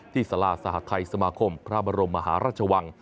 ที่ศาลาสหรัฐไทยสมาคมพระบรมมหาราชวัง